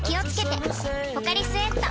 「ポカリスエット」